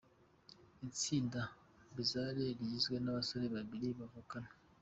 Itsinda Bizarre rigizwe n'abasore babiri bavukana.